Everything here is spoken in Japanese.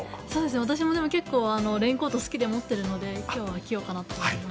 私もレインコート好きで持っているので今日は着ようかなと思います。